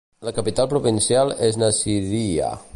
La capital provincial és Nasiriyah.